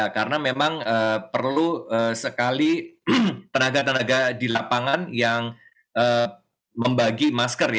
karena memang perlu sekali tenaga tenaga di lapangan yang membagi masker